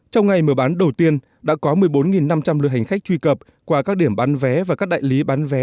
trong ngày mở bán đầu tiên đã có một mươi bốn năm trăm linh lượt hành khách truy cập qua các điểm bán vé và các đại lý bán vé